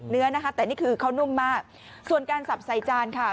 เนื้อนะคะแต่นี่คือเขานุ่มมากส่วนการสับใส่จานค่ะ